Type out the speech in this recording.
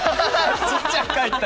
ちっちゃく書いてた。